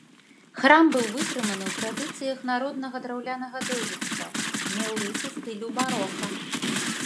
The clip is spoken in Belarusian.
Храм быў вытрыманы ў традыцыях народнага драўлянага дойлідства, меў рысы стылю барока.